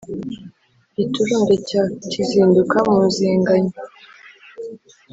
giturumbya cya kizinduka muzinganye